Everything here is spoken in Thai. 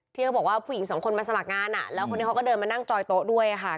ที่เขาบอกว่าผู้หญิงสองคนมาสมัครงานแล้วคนนี้เขาก็เดินมานั่งจอยโต๊ะด้วยค่ะ